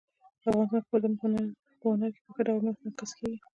افغانستان کې بادام په هنر کې په ښه ډول منعکس کېږي.